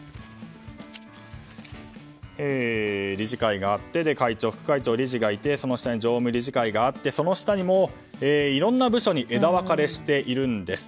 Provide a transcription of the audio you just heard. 理事会があって会長、副会長と理事がいてその下に常務理事会があってその下にもいろんな部署に枝分かれしているんです。